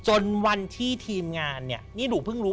จนวันที่ทีมงานเนี่ยนี่หนูเพิ่งรู้